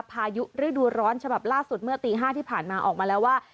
พายุฤดูร้อนฉบับล่าสุดเมื่อตี๕ที่ผ่านมาออกมาแล้วว่า